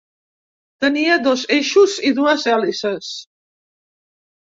Tenia dos eixos i dues hèlices.